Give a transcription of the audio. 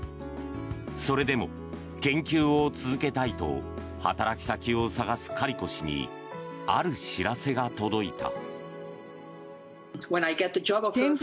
それでも研究を続けたいと働き先を探すカリコ氏にある知らせが届いた。